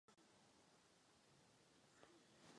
Němci jednali rychle.